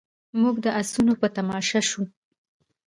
موږ د اسونو په تماشه شوو.